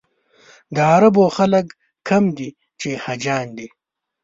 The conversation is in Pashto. د عربو خلک کم دي چې حاجیان دي.